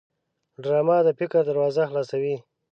ډرامه د فکر دروازه خلاصوي